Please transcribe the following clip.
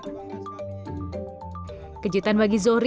kejutan bagi zohri datang dalam beberapa peristiwa